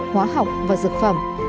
hóa học và dược phẩm